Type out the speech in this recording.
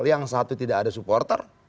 yang satu tidak ada supporter